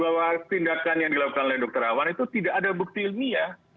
bahwa tindakan yang dilakukan oleh dr rina muluk itu tidak ada bukti ilmiah